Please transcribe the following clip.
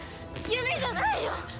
夢じゃないよ！